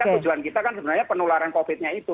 tujuan kita kan sebenarnya penularan covid nya itu